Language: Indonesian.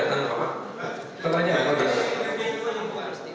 kalau ada yang sudah datang apa